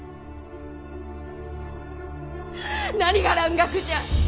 何が蘭学じゃ！